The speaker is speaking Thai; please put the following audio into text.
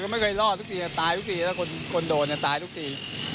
ไม่เคยรอดทุกทีตายทุกทีแล้วคนโดนตายทุกที